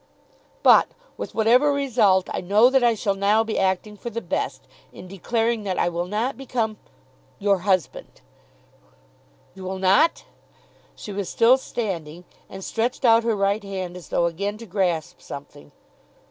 "But, with whatever result, I know that I shall now be acting for the best in declaring that I will not become your husband." "You will not?" She was still standing, and stretched out her right hand as though again to grasp something.